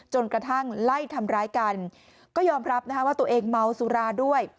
กระทั่งไล่ทำร้ายกันก็ยอมรับนะคะว่าตัวเองเมาสุราด้วย